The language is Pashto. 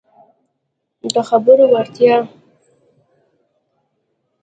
د خبرو وړتیا